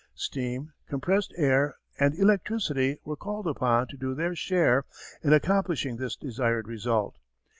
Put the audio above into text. Steam, compressed air, and electricity were called upon to do their share in accomplishing this desired result.